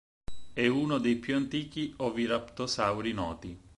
È uno dei più antichi oviraptorosauri noti.